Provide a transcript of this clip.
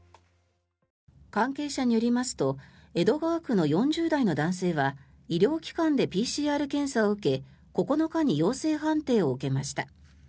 関係者によりますと江戸川区の４０代の男性は医療機関でＰＣＲ検査を受け９日に陽性判定を受けました。